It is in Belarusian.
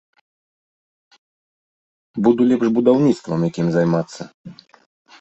Буду лепш будаўніцтвам якім займацца!